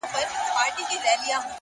هره تجربه د ژوند نوی درس دی،